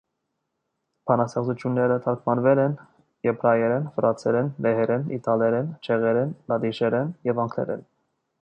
Բանաստեղծությունները թարգմանվել են եբրայերեն, վրացերեն, լեհերեն, իտալերեն, չեխերեն, լատիշերեն և անգլերեն։